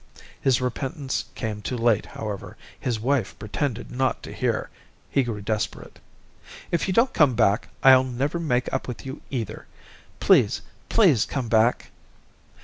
His repentance came too late, however. His wife pretended not to hear. He grew desperate. "If you don't come back, I'll never make up with you, either. Please, please, come back."